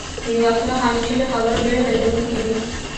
ځینې وختونه خاموشي له خبرو ډېره دردوونکې وي.